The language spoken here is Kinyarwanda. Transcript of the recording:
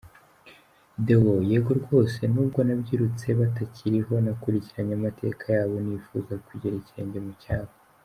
Deo: Yego rwose, nubwo nabyirutse batakiriho nakurikiranye amateka yabo nifuza kugera ikirenge mu cyabo.